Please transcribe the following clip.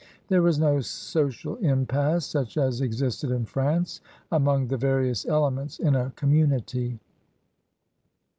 There was no social impasse such as existed in France among the various elements in a com munity.